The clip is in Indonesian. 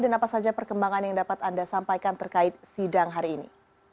dan apa saja perkembangan yang dapat anda sampaikan terkait sidang hari ini